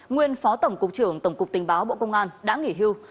nguyên phó tổng cục trưởng tổng cục tình báo bộ công an đã nghỉ hưu